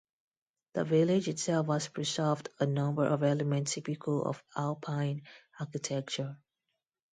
The village itself has preserved a number of elements typical of alpine architecture.